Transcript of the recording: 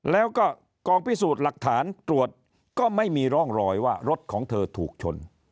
แล้วก็กองพิสูจน์หลักฐานตรวจก็ไม่มีร่องรอยว่ารถของเธอถูกชน